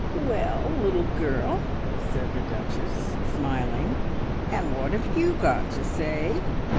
"Well, little girl," said the Duchess, smiling, "and what have you got to say?"